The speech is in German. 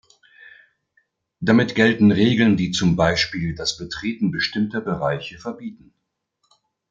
Damit gelten Regeln, die zum Beispiel das Betreten bestimmter Bereiche verbieten.